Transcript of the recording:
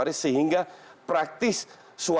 apalagi seandainya mereka bergabung dengan juve